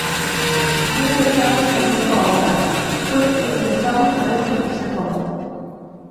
Ez dezagun soinekoa urra, zotz egin dezagun norentzat izango den.